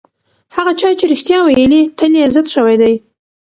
هغه چا چې رښتیا ویلي، تل یې عزت شوی دی.